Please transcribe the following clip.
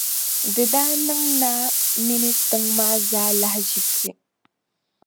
Di daa niŋ naa mini tiŋa maa zaa lahaʒibsi.